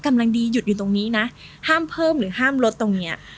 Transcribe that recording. กำลังดีหยุดอยู่ตรงนี้นะห้ามเพิ่มหรือห้ามลดตรงเนี้ย